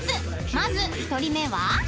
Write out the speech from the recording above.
まず１人目は］